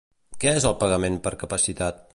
Què és el pagament per capacitat?